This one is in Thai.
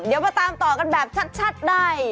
เดี๋ยวมาตามต่อกันแบบชัดได้